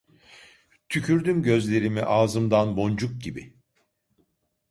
Tükürdüm gözlerimi ağzımdan boncuk gibi.